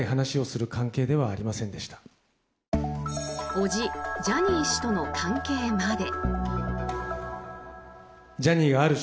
叔父・ジャニー氏との関係まで。